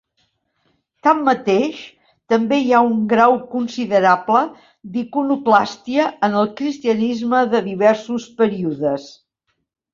Tanmateix, també hi ha una grau considerable d'iconoclàstia en el cristianisme de diversos períodes.